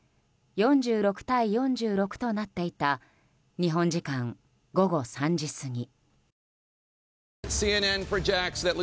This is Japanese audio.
４６対４６となっていた日本時間午後３時過ぎ。